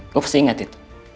gue masih inget itu